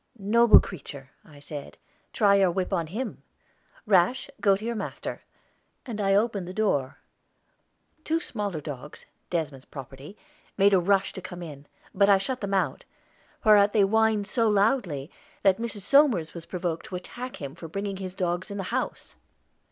"Noble creature," I said, "try your whip on him. Rash, go to your master," and I opened the door. Two smaller dogs, Desmond's property, made a rush to come in; but I shut them out, whereat they whined so loudly that Mrs. Somers was provoked to attack him for bringing his dogs in the house.